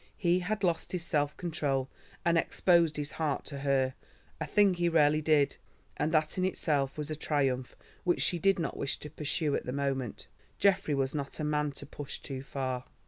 He had lost his self control, and exposed his heart to her—a thing he rarely did, and that in itself was a triumph which she did not wish to pursue at the moment. Geoffrey was not a man to push too far.